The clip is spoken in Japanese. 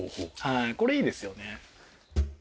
これいいですよね。